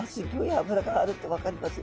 脂があるって分かります。